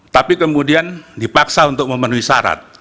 tapi kemudian dipaksa untuk memenuhi syarat